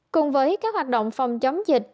cùng với các hoạt động phòng chống dịch